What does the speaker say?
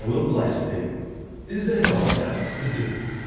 will bless thee ''j^'^ls there nought else to do?''